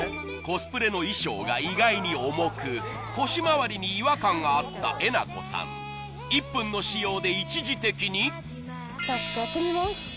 コスプレの衣装が意外に重く腰まわりに違和感があったえなこさん１分の使用で一時的にじゃちょっとやってみます